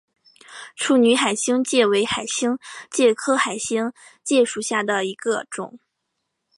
处女海星介为海星介科海星介属下的一个种。